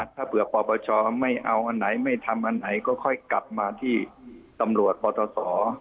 ถ้าเผื่อปปชไม่เอาอันไหนไม่ทำอันไหนก็ค่อยกลับมาที่ตำรวจปศ